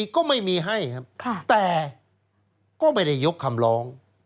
ก็ไม่มีให้ครับแต่ก็ไม่ได้ยกคำร้อง